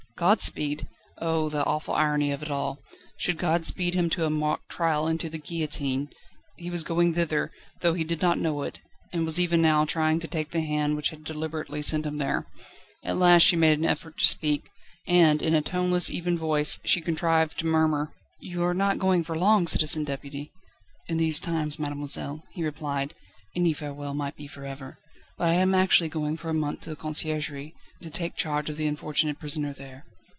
"Godspeed?" Oh! the awful irony of it all! Should God speed him to a mock trial and to the guillotine? He was going thither, though he did not know it, and was even now trying to take the hand which had deliberately sent him there. At last she made an effort to speak, and in a toneless, even voice she contrived to murmur: "You are not going for long, Citizen Deputy?" "In these times, mademoiselle," he replied, "any farewell might be for ever. But I am actually going for a month to the Conciergerie, to take charge of the unfortunate prisoner there."